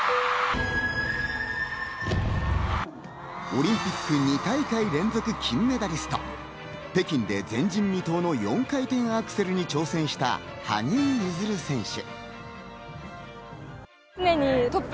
オリンピック２大会連続金メダリスト、北京で前人未到の４回転アクセルに挑戦した羽生結弦選手。